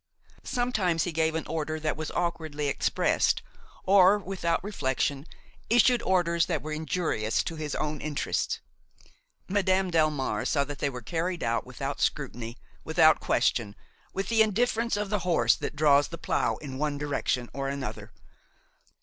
Sometimes he gave an order that was awkwardly expressed, or, without reflection, issued orders that were injurious to his own interests. Madame Delmare saw that they were carried out without scrutiny, without question, with the indifference of the horse that draws the plough in one direction or another.